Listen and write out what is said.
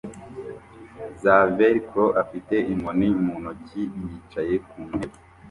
za velcro afite inkoni mu ntoki yicaye ku ntebe